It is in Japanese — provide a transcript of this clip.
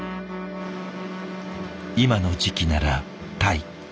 今の時期ならたい。